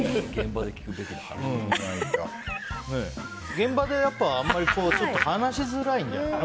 現場であんまり話しづらいんですかね。